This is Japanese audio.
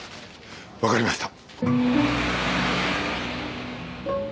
わかりました。